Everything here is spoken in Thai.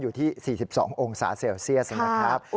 อยู่ที่๔๒องศาเซลเซียสนะครับ